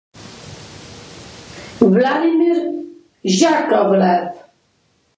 Vladimir Jakovlev